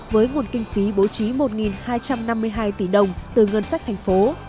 với nguồn kinh phí bố trí một hai trăm năm mươi hai tỷ đồng từ ngân sách thành phố